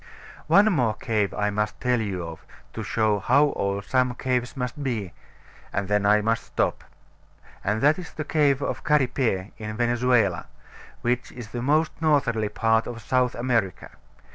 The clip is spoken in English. One more cave I must tell you of, to show you how old some caves must be, and then I must stop; and that is the cave of Caripe, in Venezuela, which is the most northerly part of South America.